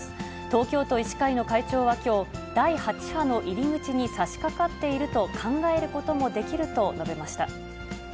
東京都医師会の会長はきょう、第８波の入り口にさしかかっていると考えることもできると述べました。